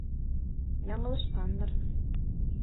Яңылышҡандыр.